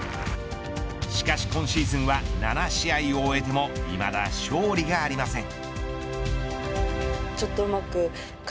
しかし今シーズンは７試合を終えてもいまだ勝利がありません。